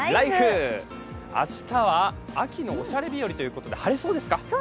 明日は秋のオシャレ日和ということで、晴れそうですか？